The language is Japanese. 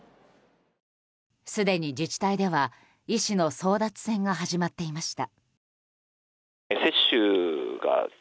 すでに自治体では、医師の争奪戦が始まっていました。